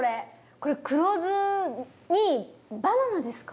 これ黒酢にバナナですか？